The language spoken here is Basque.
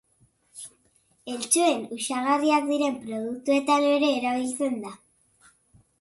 Eltxoen uxagarriak diren produktuetan ere erabiltzen da.